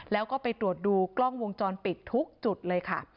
แล้วก็ไปตรวจดูกล้องวงจรปิดทุกจุดเลยค่ะ